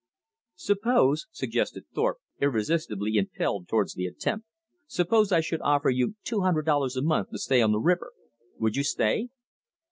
"Suppose," suggested Thorpe, irresistibly impelled towards the attempt, "suppose I should offer you two hundred dollars a month to stay on the river. Would you stay?"